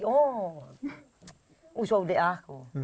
oh usau deh aku